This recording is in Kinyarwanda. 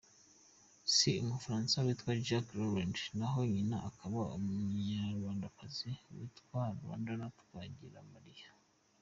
Se ni Umufaransa witwa Jacques Rolland naho nyina akaba Umunyarwandakazi witwa Landrada Twagiramariya.